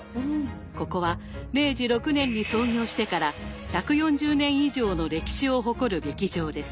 ここは明治６年に創業してから１４０年以上の歴史を誇る劇場です。